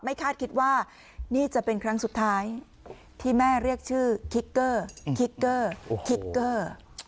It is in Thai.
คาดคิดว่านี่จะเป็นครั้งสุดท้ายที่แม่เรียกชื่อคิกเกอร์คิกเกอร์คิกเกอร์